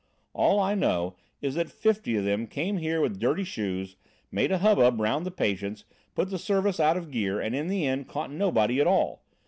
"All I know is that fifty of them came here with dirty shoes, made a hubbub round the patients, put the service out of gear, and in the end caught nobody at all.